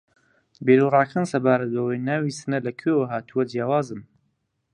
بیر و ڕاکان سەبارەت بەوەی ناوی سنە لە کوێوە ھاتووە جیاوازن